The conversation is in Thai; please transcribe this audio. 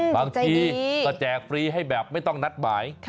บางทีก็แจกฟรีให้แบบไม่ต้องนัดหมาย